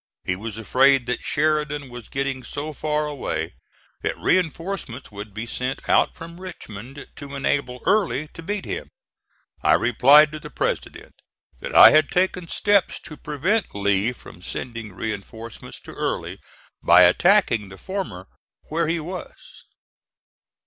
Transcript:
He was afraid that Sheridan was getting so far away that reinforcements would be sent out from Richmond to enable Early to beat him. I replied to the President that I had taken steps to prevent Lee from sending reinforcements to Early, by attacking the former where he was.